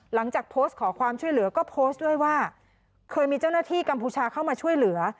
หลังจากโพสต์ขอความช่วยเหลือก็โพสต์ด้วยว่าเคยมีเจ้าหน้าที่กัมพูชาเข้ามาช่วยเหลือ